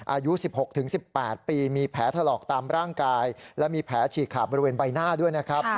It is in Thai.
อายุ๑๖๑๘ปีมีแผลถลอกตามร่างกายและมีแผลฉีกขาดบริเวณใบหน้าด้วยนะครับ